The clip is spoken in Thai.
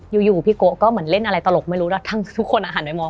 อยู่พี่โกะก็เหมือนเล่นอะไรตลกไม่รู้แล้วทุกคนหันไปมอง